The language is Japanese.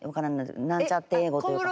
なんちゃって英語というか。